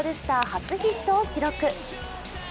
初ヒットを記録。